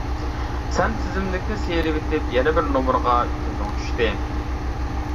سەن تىزىملىكنى سىيرىۋېتىپ يەنە بىر نومۇرغا كۆزۈڭ چۈشتى.